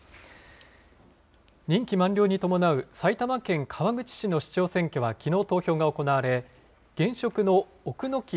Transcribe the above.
任期満了に伴う埼玉県川口市の市長選挙はきのう投票が行われ、現職の奧ノ